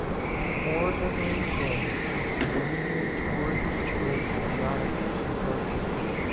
For a generation he delineated Tories, Whigs and Radicals impartially.